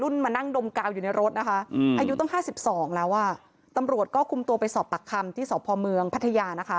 ตำรวจก็คุมตัวไปสอบปักคำที่สภพเมืองภัทยา